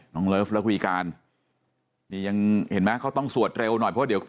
เลิฟแล้วก็วีการนี่ยังเห็นไหมเขาต้องสวดเร็วหน่อยเพราะเดี๋ยว